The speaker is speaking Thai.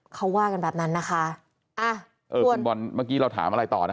เขาว่ากันแบบนั้นนะคะอ่ะเออคุณบอลเมื่อกี้เราถามอะไรต่อนะ